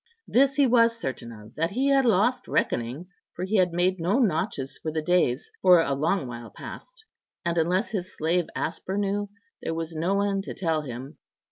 This he was certain of, that he had lost reckoning, for he had made no notches for the days for a long while past, and unless his slave Asper knew, there was no one to tell him.